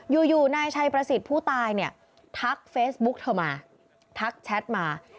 อยู่นายชัยประสิทธิ์ผู้ตายเนี่ยทักเฟซบุ๊กเธอมาทักแชทมา